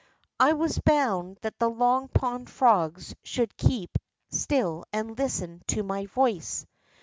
I Avas bound that the Long Pond frogs should keep still and listen to my voice.